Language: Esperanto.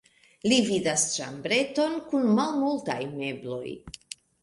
Li vidas ĉambreton kun malmultaj mebloj.